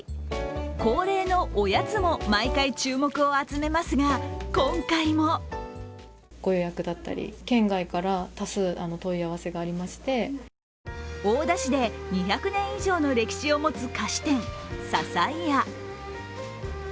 恒例のおやつも毎回注目を集めますが、今回も大田市で２００年以上の歴史を持つ菓子店、ささ井屋。